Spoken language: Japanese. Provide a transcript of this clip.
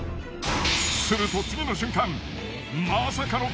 すると次の瞬間うわあっ！